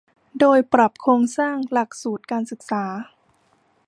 โดยปรับโครงสร้างหลักสูตรการศึกษา